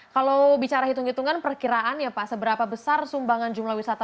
kalau bicara hitung hitungan perkiraan ya pak seberapa besar sumbangan jumlah wisata